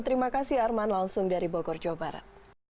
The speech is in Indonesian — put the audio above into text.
terima kasih arman langsung dari bogor jawa barat